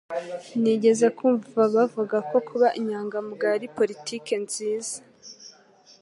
Nigeze kumva bavuga ko kuba inyangamugayo ari politiki nziza